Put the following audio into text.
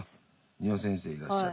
丹羽先生いらっしゃる。